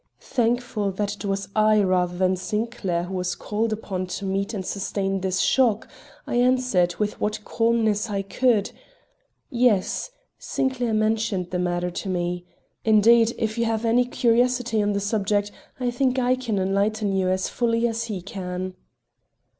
Thankful that it was I, rather than Sinclair, who was called upon to meet and sustain this shock, I answered with what calmness I could: "Yes; Sinclair mentioned the matter to me. Indeed, if you have any curiosity on the subject, I think I can enlighten you as fully as he can."